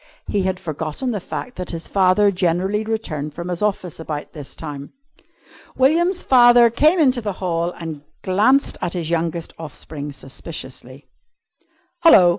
He had forgotten the fact that his father generally returned from his office about this time. William's father came into the hall and glanced at his youngest offspring suspiciously. "Hello!"